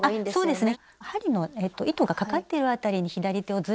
そうですね。